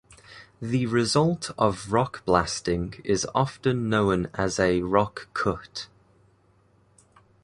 The result of rock blasting is often known as a rock cut.